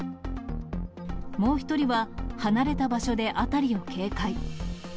もう一人は離れた場所で辺りを警戒。